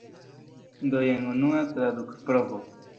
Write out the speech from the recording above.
Do jen unua tradukprovo.